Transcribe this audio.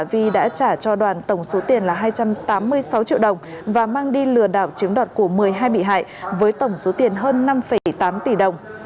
vi đã trả cho đoàn tổng số tiền là hai trăm tám mươi sáu triệu đồng và mang đi lừa đảo chiếm đoạt của một mươi hai bị hại với tổng số tiền hơn năm tám tỷ đồng